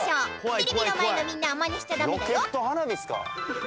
テレビの前のみんなはまねしちゃ駄目だよ」